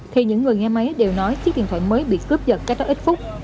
thì những người nghe máy đều nói chiếc điện thoại mới bị cướp giật cách đó ít phút